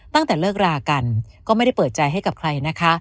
ตั้งแต่เลิกรากันก็ไม่ได้เปิดใจให้กับใครนะคะ